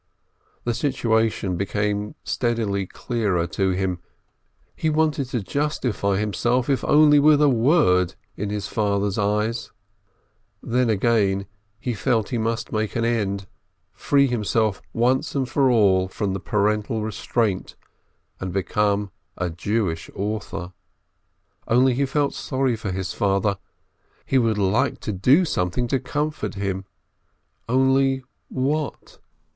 The situation became steadily clearer to him ; he wanted to justify himself, if only with a word, in his father's eyes; then, again, he felt he must make an end, free himself once and for all from the paternal restraint, and become a Jewish author. Only he felt sorry for his father ; he would have liked to do something to comfort him. Only what?